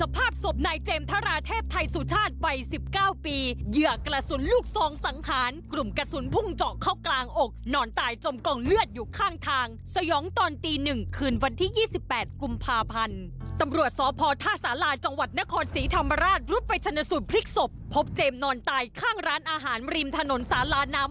ไปเจาะลึกประเด็นร้อนจากรายงานค่ะ